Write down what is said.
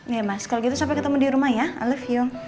iya mas kalau gitu sampai ketemu di rumah ya i love you